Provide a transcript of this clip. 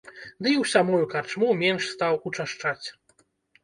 Ды і ў самую карчму менш стаў учашчаць.